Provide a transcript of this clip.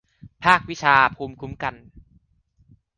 ภาควิชาภูมิคุ้มกัน